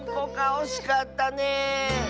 おしかったねえ！